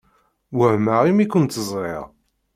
Wehmeɣ imi kent-ẓṛiɣ.